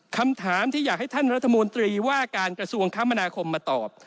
คำถามที่อยากให้ท่านรัฐมนตรีว่าการกระทรวงคมนาคมมาตอบ